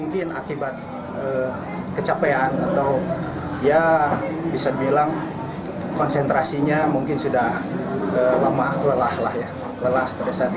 taufik juga bisa dibilang konsentrasinya mungkin sudah lama lelah